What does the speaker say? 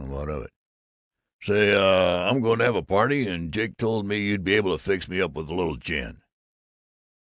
"Well, what of it?" "Say, uh, I'm going to have a party, and Jake told me you'd be able to fix me up with a little gin."